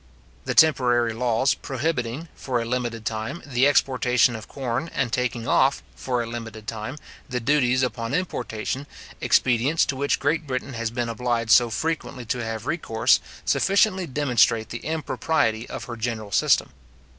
The temporary laws, prohibiting, for a limited time, the exportation of corn, and taking off, for a limited time, the duties upon its importation, expedients to which Great Britain has been obliged so frequently to have recourse, sufficiently demonstrate the impropriety of her general system.